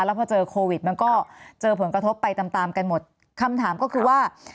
แล้วพอเจอโควิดมันก็เจอผลกระทบไปตามตามกันหมดคำถามก็คือว่า